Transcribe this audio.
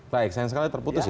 baik sayang sekali terputus ya